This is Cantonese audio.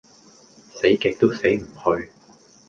死極都死唔去